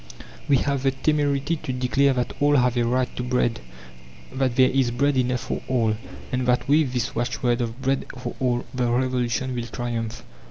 We have the temerity to declare that all have a right to bread, that there is bread enough for all, and that with this watchword of Bread for All the Revolution will triumph.